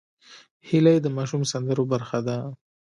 هیلۍ د ماشوم سندرو برخه ده